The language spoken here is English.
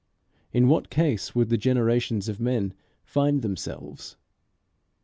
in what case would the generations of men find themselves?